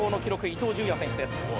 伊東純也選手です